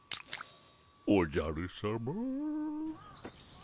おじゃるさま。